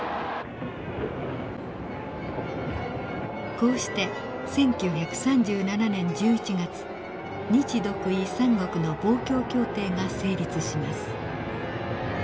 こうして１９３７年１１月日独伊３国の防共協定が成立します。